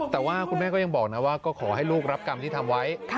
แต่ว่าคุณแม่ก็ยังบอกนะว่าก็ขอให้ลูกรับกรรมที่ทำไว้